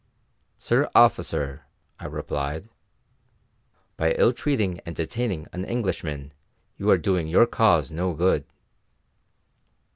"Sir officer," I replied, "by ill treating and detaining an Englishman you are doing your cause no good."